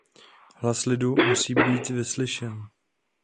Hlas lidu musí být vyslyšen.